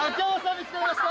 見つかりました！